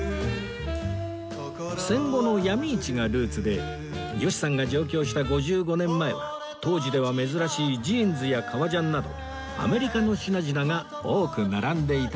戦後の闇市がルーツで吉さんが上京した５５年前は当時では珍しいジーンズや革ジャンなどアメリカの品々が多く並んでいたそうです